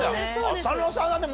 浅野さんはだって。